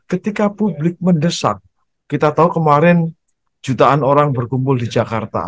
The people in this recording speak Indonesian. ketika publik mendesak kita tahu kemarin jutaan orang berkumpul di jakarta